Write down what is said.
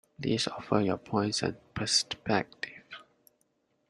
Please offer your points and perspectives.